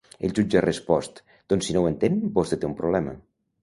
El jutge ha respost: Doncs si no ho entén, vostè té un problema.